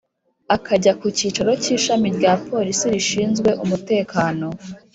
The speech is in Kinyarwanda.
akajya ku kicaro cy’ishami rya polisi rishinzwe umutekano